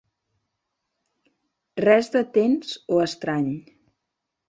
Res de tens o estrany.